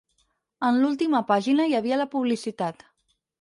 En l'última pàgina hi havia la publicitat.